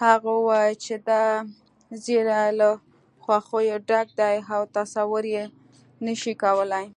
هغې وويل چې دا زيری له خوښيو ډک دی او تصور يې نشې کولی